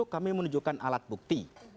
kami menunjukkan alat bukti